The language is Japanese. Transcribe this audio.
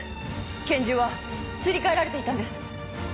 拳銃はすり替えられていたんです。